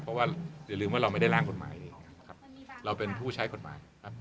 เพราะว่าอย่าลืมว่าเราไม่ได้ล้างควรหมายเลยเราเป็นผู้ใช้ควรหมายครับ